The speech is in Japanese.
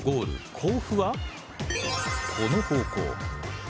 甲府はこの方向。